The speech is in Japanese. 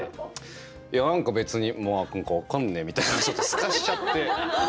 「いや何か別にまあ何か分かんねえ」みたいにちょっとすかしちゃって。